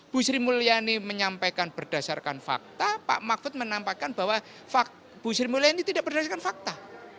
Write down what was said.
bu sri mulyani menyampaikan berdasarkan fakta pak mahfud menampakkan bahwa bu sri mulyani tidak berdasarkan fakta